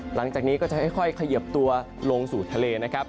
หลังจากนี้ก็จะค่อยเขยิบตัวลงสู่ทะเลนะครับ